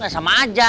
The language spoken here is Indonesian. ya sama aja